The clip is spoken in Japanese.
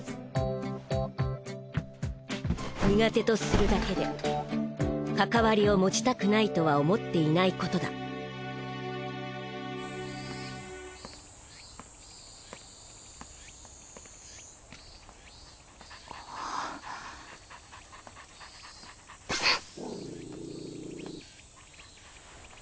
苦手とするだけで関わりを持ちたくないとは思っていないことだハッ！